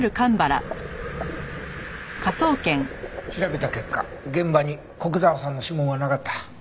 調べた結果現場に古久沢さんの指紋はなかった。